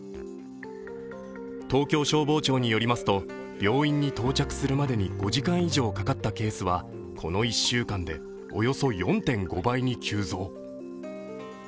東京消防庁によりますと、病院に到着するまで５時間以上かかったケースはこの１週間でおよそ４．５倍に急増。